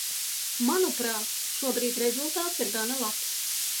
Manuprāt, šobrīd rezultāts ir gana labs.